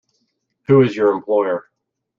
Who is your employer?